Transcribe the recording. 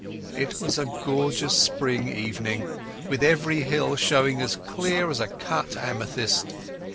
It was a gorgeous spring evening, with every hill showing as clear as a cut amethyst.